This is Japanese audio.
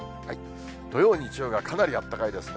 土曜、日曜がかなりあったかいですね。